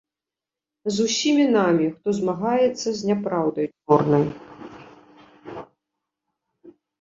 З усімі намі, хто змагаецца з няпраўдай чорнай.